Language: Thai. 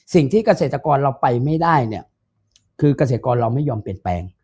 สิ่งที่เกษตรกรเราไปไม่ได้เนี่ยคือเกษตรกรเราไม่ยอมเปลี่ยนแปลง